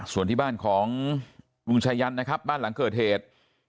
ส่วนที่บ้านของลุงชายันนะครับบ้านหลังเกิดเหตุ